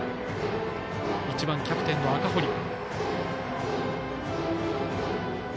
１番はキャプテンの赤堀。